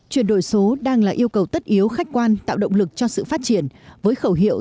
chuyển đổi số đang là yêu cầu tất yếu khách quan tạo động lực cho sự phát triển với khẩu hiệu